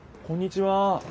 こんにちは。